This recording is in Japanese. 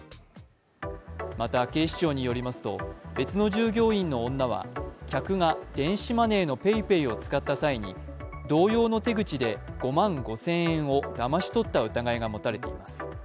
また警視庁によりますと別の従業員の女は客が電子マネーのＰａｙＰａｙを使った際に、同様の手口で５万５０００円をだまし取った疑いが持たれています。